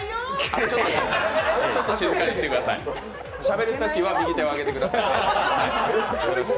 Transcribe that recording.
しゃべるとき右手を挙げてくださいね。